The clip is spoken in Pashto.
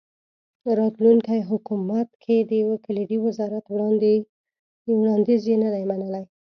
راتلونکي حکومت کې د یو کلیدي وزارت وړاندیز یې نه دی منلی.